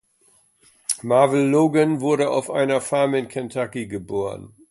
Marvel Logan wurde auf einer Farm in Kentucky geboren.